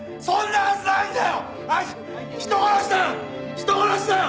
人殺しだよ！